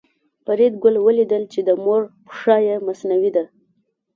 فریدګل ولیدل چې د مور پښه یې مصنوعي ده